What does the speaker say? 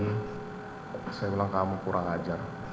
jadi saya bilang kamu kurang ajar